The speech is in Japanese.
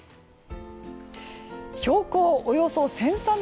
標高およそ１３００ｍ。